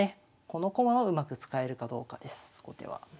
この駒をうまく使えるかどうかです後手は。